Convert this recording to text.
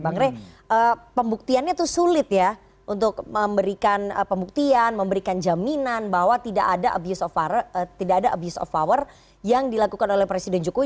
bang rey pembuktiannya itu sulit ya untuk memberikan pembuktian memberikan jaminan bahwa tidak ada abuse of power yang dilakukan oleh presiden jokowi